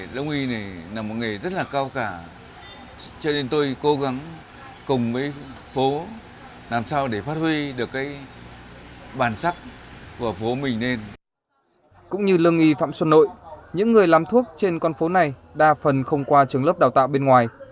cũng như lương nghi phạm xuân nội những người làm thuốc trên con phố này đa phần không qua trường lớp đào tạo bên ngoài